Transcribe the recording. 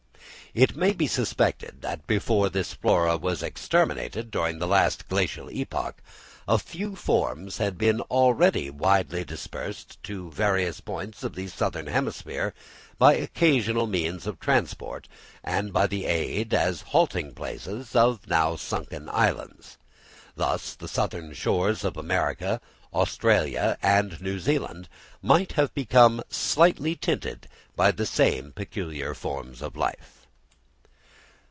It may be suspected that before this flora was exterminated during the last Glacial epoch, a few forms had been already widely dispersed to various points of the southern hemisphere by occasional means of transport, and by the aid, as halting places, of now sunken islands. Thus the southern shores of America, Australia, and New Zealand may have become slightly tinted by the same peculiar forms of life.